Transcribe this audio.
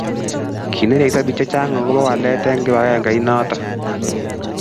kinerekso biik chechang akobo walet eng kibagenge inoto